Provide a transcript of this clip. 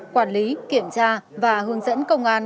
quản lý kiểm tra và hướng dẫn công an